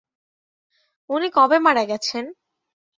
উনি কবে মারা গেছেন?